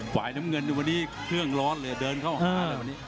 ฝ่ายน้ำเงินดูวันนี้เครื่องร้อนเลยเดินเข้าหา